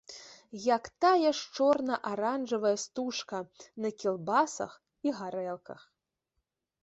Як тая ж чорна-аранжавая стужка на кілбасах і гарэлках.